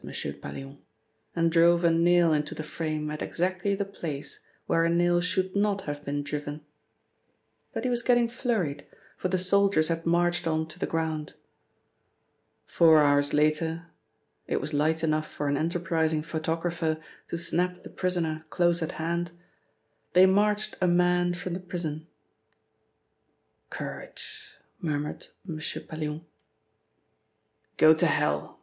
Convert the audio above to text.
Pallion, and drove a nail into the frame at exactly the place where a nail should not have been driven. But he was getting flurried, for the soldiers had marched on to the ground.. Four hours later (it was light enough for an enterprising photographer to snap the prisoner close at hand), they marched a man from the prison.. "Courage!" murmured M. Pallion. "Go to hell!"